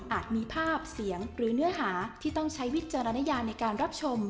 มีภาพเสียงหรือเนื้อหาที่ต้องใช้วิจารณญาในการรับชม